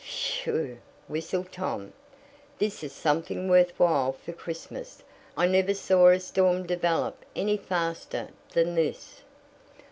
"Whew!" whistled Tom. "This is something worth while for Christmas! I never saw a storm develop any faster than this."